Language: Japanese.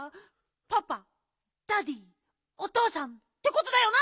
パパダディーおとうさんってことだよな？